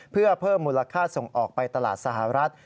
เพื่อเพิ่มมูลค่าส่งออกไปตลาดสหรัฐ